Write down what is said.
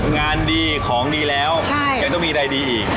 งานดีของดีแล้วยังต้องมีอะไรดีอีก